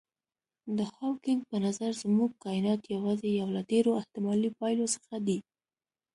د هاوکېنګ په نظر زموږ کاینات یوازې یو له ډېرو احتمالي پایلو څخه دی.